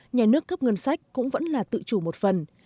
nhà nước cấp ngân sách cũng vẫn là tự chủ một phần